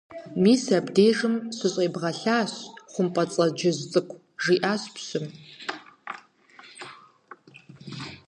Мис абдежым щыщӀэбгъэлъащ, ХъумпӀэцӀэджыжь цӀыкӀу! – жиӀащ пщым.